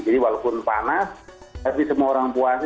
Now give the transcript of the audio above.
jadi walaupun panas tapi semua orang puasa